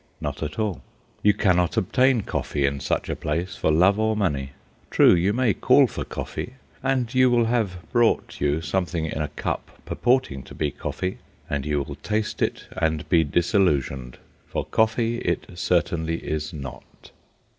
Not at all. You cannot obtain coffee in such a place for love or money. True, you may call for coffee, and you will have brought you something in a cup purporting to be coffee, and you will taste it and be disillusioned, for coffee it certainly is not.